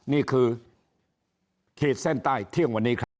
นี่คือขีดเส้นใต้เที่ยงวันนี้ครับ